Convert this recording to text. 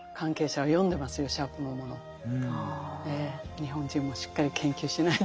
日本人もしっかり研究しないと。